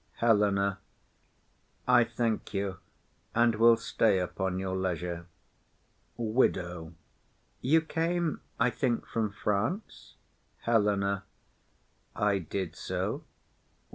HELENA. I thank you, and will stay upon your leisure. WIDOW. You came, I think, from France? HELENA. I did so.